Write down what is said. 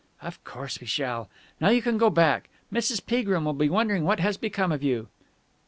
"Of course we shall. Now you can go back. Mrs. Peagrim will be wondering what has become of you."